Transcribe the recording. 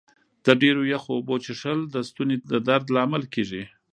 د ډېرو یخو اوبو څښل د ستوني د درد لامل کېږي.